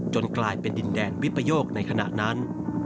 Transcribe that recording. กลายเป็นดินแดนวิปโยคในขณะนั้น